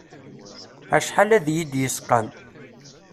Acḥal ad yi-id-yesqam.